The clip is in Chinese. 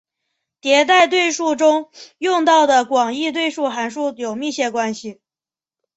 迭代对数和中用到的广义对数函数有密切关系。